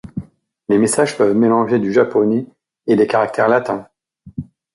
Les messages peuvent mélanger du japonais et des caractères latins.